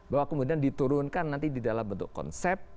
bahwa kemudian diturunkan nanti di dalam bentuk konsep